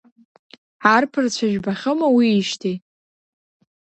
Арԥарацәа жәбахьоума уиижьҭеи?